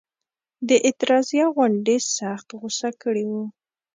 د اعتراضیه غونډې سخت غوسه کړي وو.